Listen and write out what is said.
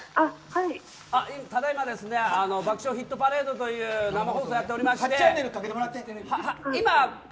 ただ今「爆笑ヒットパレード」という生放送をやっておりまして。